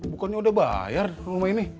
bukannya udah bayar rumah ini